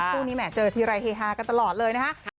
คู่นี้แห่เจอทีไรเฮฮากันตลอดเลยนะฮะ